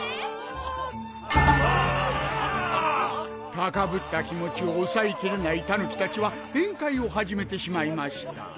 高ぶった気持ちを抑えきれない狸達は宴会を始めてしまいました。